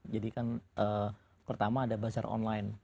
jadi kan pertama ada bazaar online